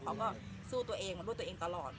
เขาก็สู้ตัวเองมาด้วยตัวเองตลอด